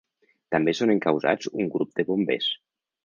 També són encausats un grup de bombers.